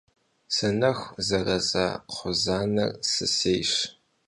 Санэху зэраза кхъузанэр сысейщ.